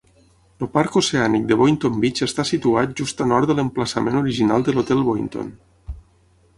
El parc oceànic de Boynton Beach està situat just a nord de l'emplaçament original de l'Hotel Boynton.